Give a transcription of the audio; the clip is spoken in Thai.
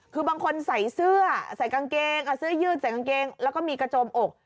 คือบางคนใส่เสื้อใส่กางเกงเสื้อยืดใส่กางเกงแล้วก็มีกระโจมอก